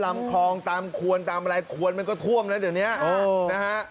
ลำคลองตามควรตามอะไรควรมันก็ท่วมแล้วเดี๋ยวนี้นะฮะ